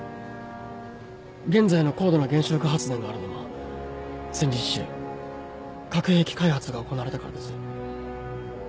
現在の高度な原子力発電があるのも戦時中核兵器開発が行われたからです。